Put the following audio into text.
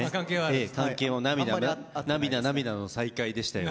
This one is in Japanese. ええ涙涙の再会でしたよ。